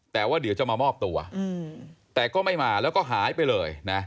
แต่ว่าเดี๋ยวจะมามอบตัวแต่ก็ไม่มาแล้วก็หายไปเลยนะ